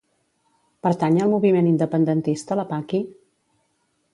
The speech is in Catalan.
Pertany al moviment independentista la Paqui?